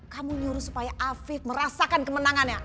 kamu nyuruh supaya afif merasakan kemenangannya